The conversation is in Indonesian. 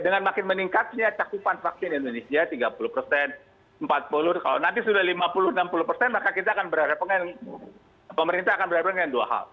dengan makin meningkatnya cakupan vaksin di indonesia tiga puluh empat puluh kalau nanti sudah lima puluh enam puluh maka kita akan berpengen pemerintah akan berpengen dengan dua hal